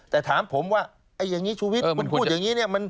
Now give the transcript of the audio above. แต่ถามผมว่าไอ้อย่างนี้ชูวิทย์มันพูดอย่างนี้เนี่ย